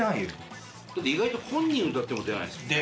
だって意外と本人歌っても出ないですもんね。